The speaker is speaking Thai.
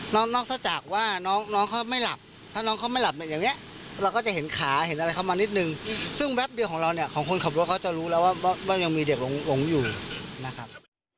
นอกถ้าจากว่าน้องเขาไม่หลับถ้าน้องเขาไม่หลับอย่างนี้เราก็จะเห็นขาเห็นอะไรเข้ามานิดนึงซึ่งแป๊บเดียวของเราเนี่ยของคนขับรถเขาจะรู้แล้วว่ายังมีเด็กหลงอยู่นะครับ